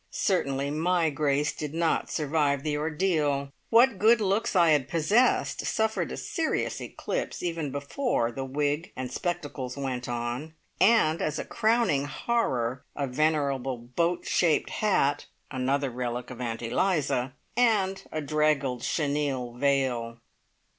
Certainly my grace did not survive the ordeal. What good looks I possessed suffered a serious eclipse even before wig and spectacles went on, and as a crowning horror, a venerable "boat shaped" hat (another relic of Aunt Eliza) and a draggled chenille veil.